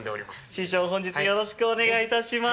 師匠本日よろしくお願いいたします。